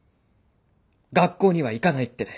学校には行かないってね。